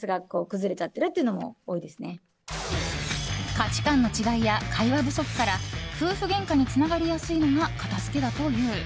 価値観の違いや会話不足から夫婦げんかにつながりやすいのが片付けだという。